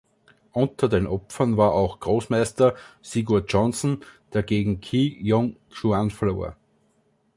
Unter den Opfern war auch Großmeister Sigurjonsson, der gegen Qi Jung Xuan verlor.